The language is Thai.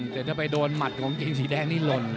แต่ถ้าไปโดนหมัดของเกงสีแดงนี่หล่น